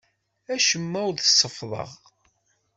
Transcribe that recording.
Acemma ur t-seffḍeɣ.